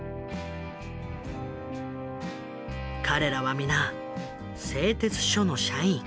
彼らは皆製鉄所の社員。